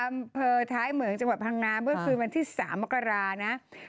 อำเภอท้ายเหมืองจังหวัดพังงาเมื่อคืนวันที่๓มกรานะ